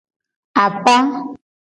Apa.